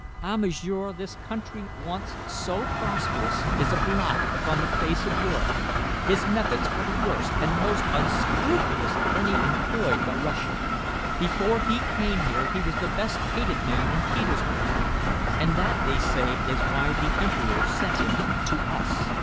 Ah, m'sieur! this country, once so prosperous, is a blot upon the face of Europe. His methods are the worst and most unscrupulous of any employed by Russia. Before he came here he was the best hated man in Petersburg, and that, they say, is why the Emperor sent him to us."